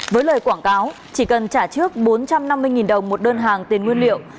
với lời quảng cáo chỉ cần trả trước bốn trăm năm mươi đồng một đơn hàng tiền nguyên liệu